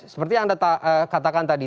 seperti yang anda katakan tadi